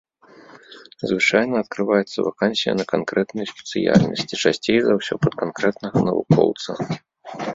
Звычайна адкрываецца вакансія на канкрэтную спецыяльнасць, і часцей за ўсё пад канкрэтнага навукоўца.